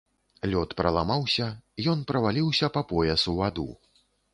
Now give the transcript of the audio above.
Лёд праламаўся, ён праваліўся па пояс у ваду.